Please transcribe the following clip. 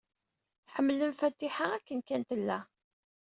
Ḥemmlen Fatiḥa akken kan tella.